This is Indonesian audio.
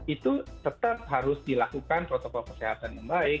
itu tetap harus dilakukan protokol kesehatan yang baik